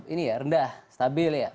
ini ya rendah stabil ya